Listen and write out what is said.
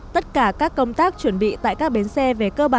tất cả các công tác chuẩn bị tại các bến xe về cơ bản